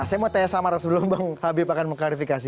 saya mau tanya samara sebelum bang habib akan mengklarifikasi